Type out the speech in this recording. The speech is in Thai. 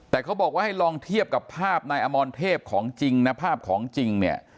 แต่เขาบอกว่าให้ลองเทียบกับภาพนายอมรเทพของจริงนะภาพของจริงเนี่ย